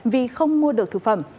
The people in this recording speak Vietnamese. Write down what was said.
vì không mua được thực phẩm